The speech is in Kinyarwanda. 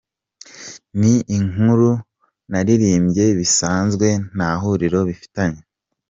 Ni inkuru naririmbye bisanzwe, nta huriro bifitanye.